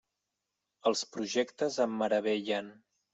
Els projectes em meravellen.